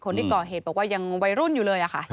คนที่ก่อเหตุบอกว่ายังวัยรุ่นอยู่เลยอะค่ะ